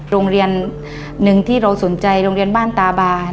โรงเรียนหนึ่งที่เราสนใจโรงเรียนบ้านตาบา